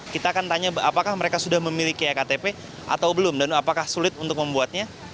kita akan tanya apakah mereka sudah memiliki ektp atau belum dan apakah sulit untuk membuatnya